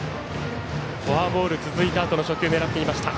フォアボール続いたあとの初球狙っていました。